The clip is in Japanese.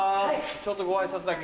ちょっとご挨拶だけ。